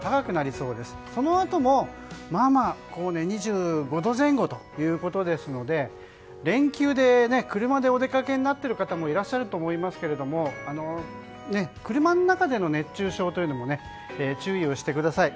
そのあとも２５度前後ということですので連休で、車でお出かけになっている方もいらっしゃると思いますけれども車の中での熱中症も注意をしてください。